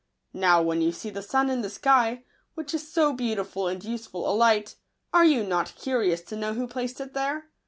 Now, when you see the sun in the sky, which is so beautiful and useful a light, are you not curious to know who placed it there